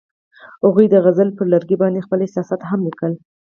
هغوی د غزل پر لرګي باندې خپل احساسات هم لیکل.